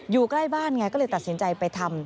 อยู่ใกล้บ้านไงก็เลยตัดสินใจไปทำ